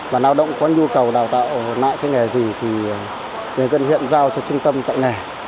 và nạo động có nhu cầu đào tạo nại cái nghề gì thì người dân hiện giao cho trung tâm dạy nghề